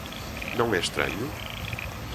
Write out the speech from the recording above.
Não é estranho?